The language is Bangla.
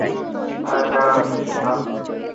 আরে দাঁড়াও দোস্ত।